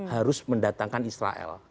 harus mendatangkan israel